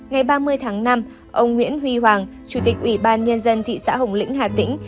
ngày ba mươi tháng năm ông nguyễn huy hoàng chủ tịch ủy ban nhân dân thị xã hồng lĩnh hà tĩnh